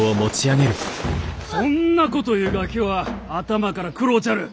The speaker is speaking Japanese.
そんなこと言うガキは頭から食ろうちゃる！